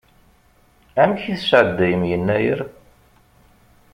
Amek i tesɛeddayem Yennayer?